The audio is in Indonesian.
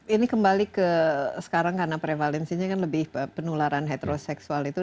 ini kembali ke sekarang karena prevalensinya kan lebih penularan heteroseksual itu